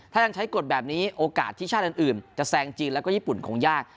ถ้ายังใช้กฎแบบนี้โอกาสที่ชาติอื่นจะแซงจีนแล้วก็ญี่ปุ่นคงยาก